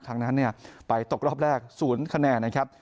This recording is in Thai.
ครั้งนั้นไปตกรอบแรก๐คะแนนนะครับ